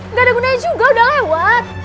nggak ada gunanya juga udah lewat